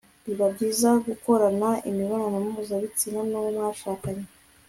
biba byiza gukorana imibonanompuzabitsina n'uwo mwashakanye